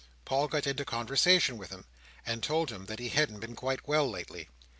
Paul got into conversation with him, and told him he hadn't been quite well lately.